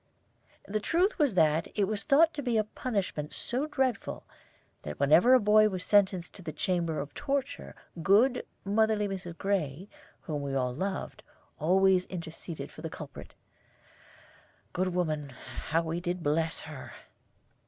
The truth was that it was thought to be a punishment so dreadful that whenever a boy was sentenced to the chamber of torture, good, motherly Mrs. Gray, whom we all loved, always interceded for the culprit. Good woman, how we did bless her!